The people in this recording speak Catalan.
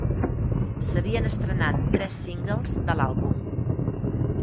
S'havien estrenat tres singles de l'àlbum.